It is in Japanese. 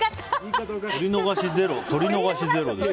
取り逃しゼロですから。